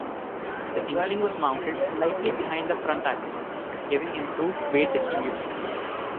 The engine was mounted slightly behind the front axle giving improved weight distribution.